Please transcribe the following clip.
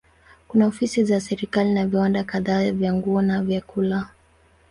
Kuna ofisi za serikali na viwanda kadhaa vya nguo na vyakula.